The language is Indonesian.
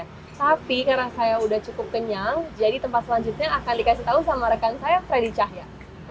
tapi karena saya sudah cukup kenyang jadi tempat selanjutnya akan dikasih tahu sama rekan saya freddy cahya